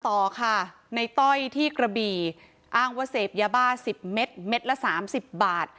ต่อค่ะในต้อยที่กระบี่อ้างว่าเสพยาบ้า๑๐เม็ดเม็ดละ๓๐บาท